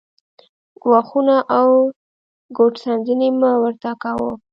ګواښونه او ګوت څنډنې مه ورته کاوه